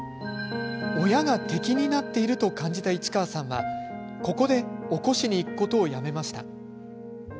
親が敵になっていると感じた市川さんはここで、起こしに行くことをやめました。